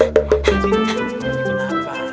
apa sih itu apa